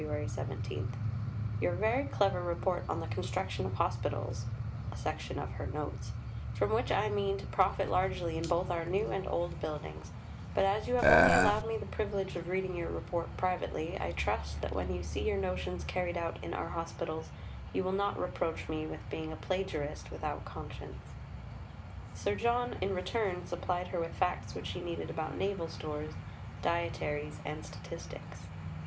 17), "your very clever Report on the Construction of Hospitals [a section of her Notes], from which I mean to profit largely in both our new and old buildings; but as you have only allowed me the privilege of reading your Report privately, I trust that when you see your notions carried out in our Hospitals you will not reproach me with being a plagiarist without conscience." Sir John in return supplied her with facts which she needed about naval stores, dietaries, and statistics.